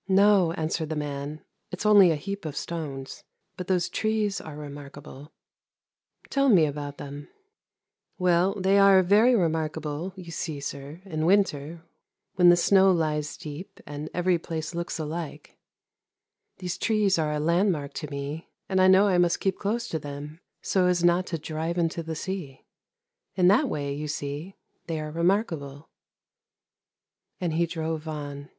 ' No,' answered the man, 'it's only a heap of stones; but those trees are remarkable.' ' Tell me about them.' ' Well, they are very remarkable; you see, sir, in winter when the snow lies deep, and every place looks alike, these trees are a landmark to me, and I know I must keep close to them so as not to drive into the sea. In that way, you see, they are remarkable,' then he drove on.